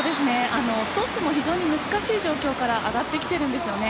トスも非常に難しい状況から上がってきているんですよね。